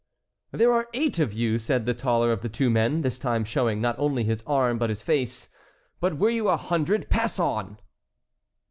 "There are eight of you," said the taller of the two men, this time showing not only his arm but his face, "but were you a hundred, pass on!"